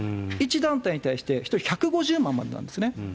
１団体に対して１人１５０万円までなんですね。